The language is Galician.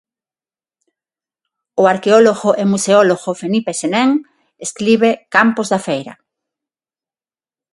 O arqueólogo e museólogo Felipe Senén escribe 'Campos da feira'.